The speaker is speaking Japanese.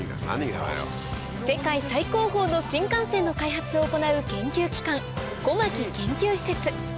世界最高峰の新幹線の開発を行う研究機関小牧研究施設